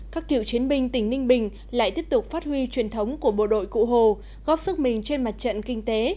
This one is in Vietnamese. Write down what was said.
các cựu chiến binh tỉnh ninh bình lại tiếp tục phát huy truyền thống của bộ đội cụ hồ góp sức mình trên mặt trận kinh tế